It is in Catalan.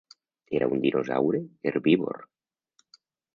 Era un dinosaure herbívor.